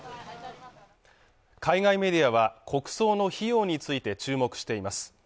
海外メディアは国葬の費用について注目しています